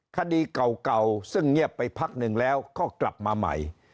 คดีเก่าซึ่งเงียบไปพักหนึ่งแล้วก็กลับมาใหม่